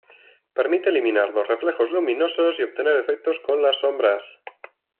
Permite eliminar los reflejos luminosos y obtener efectos con las sombras.